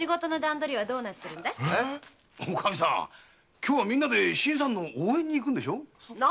今日はみんなで新さんの応援に行くんでしょ？